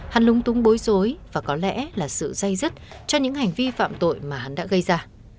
hắn lung tung bối rối và có lẽ là sự dây dứt cho những hành vi phạm tội mà hắn đã gây ra